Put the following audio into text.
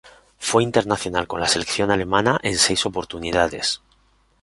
Fue internacional con la selección alemana en seis oportunidades.